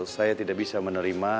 saya tidak bisa menerima